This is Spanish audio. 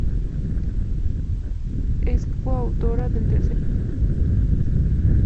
Es coautora del Tercer Informe de Valoración.